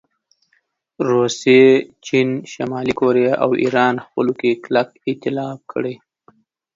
روسیې، چین، شمالي کوریا او ایران خپلو کې کلک ایتلاف کړی